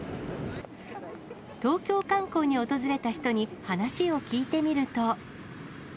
東京観光に訪れた人に話を聞いてみると。